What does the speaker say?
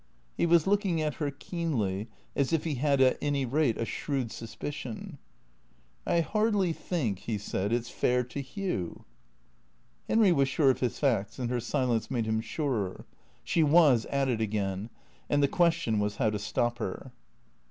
He was looking at her keenly, as if he had at any rate a shrewd suspicion. " I hardly think," he said, " it 's fair to Hugh." Henry was sure of his facts, and her silence made him surer. She was at it again, and the question was how to stop her